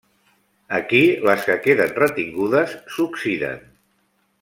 Aquí les que queden retingudes s'oxiden.